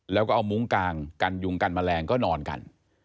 แล้วก็เอามุ้งกางกันยุงกันแมลงก็นอนกัน